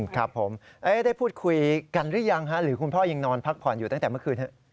ครับผมได้พูดคุยกันหรือยังหรือคุณพ่อยังนอนพักผ่อนอยู่ตั้งแต่เมื่อคืน